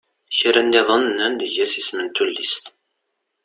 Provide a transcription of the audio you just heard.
Kra nniḍen nnan-d eg-as isem n tullist.